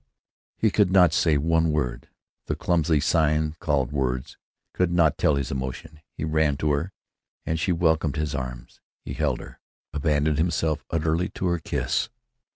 He could not say one word. The clumsy signs called "words" could not tell his emotion. He ran to her, and she welcomed his arms. He held her, abandoned himself utterly to her kiss.